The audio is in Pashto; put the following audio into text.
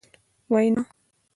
وینا ...